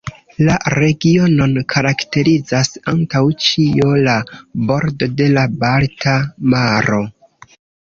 La regionon karakterizas antaŭ ĉio la bordo de la Balta maro.